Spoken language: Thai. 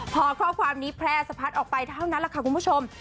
พอข้อความนี้แพร่สะพัดออกไปเท่านั้นแหละค่ะคุณผู้ชม